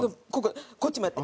こっちもやって。